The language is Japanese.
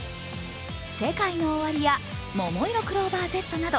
ＳＥＫＡＩＮＯＯＷＡＲＩやももいろクローバーＺなど